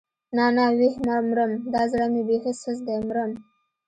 نه نه ويح مرم دا زړه مې بېخي سست دی مرم.